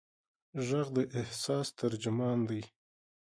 غږ د احساس ترجمان دی.